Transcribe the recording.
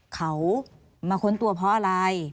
เขามาค้นตัวเพราะอะไร